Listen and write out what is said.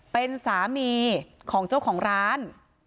เป็นสามีของเจ้าของร้าน